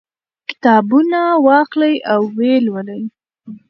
کتابونه واخلئ او ویې لولئ.